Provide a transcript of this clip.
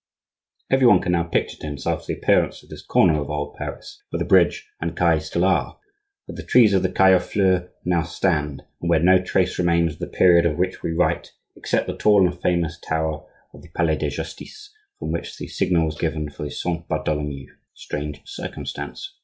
Every one can now picture to himself the appearance of this corner of old Paris, where the bridge and quai still are, where the trees of the quai aux Fleurs now stand, but where no trace remains of the period of which we write except the tall and famous tower of the Palais de Justice, from which the signal was given for the Saint Bartholomew. Strange circumstance!